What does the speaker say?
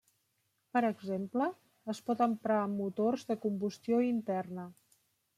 Per exemple, es pot emprar en motors de combustió interna.